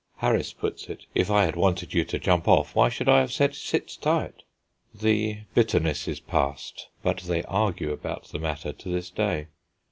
Harris puts it, "If I had wanted you to jump off, why should I have said 'Sit tight!'?" The bitterness is past, but they argue about the matter to this day.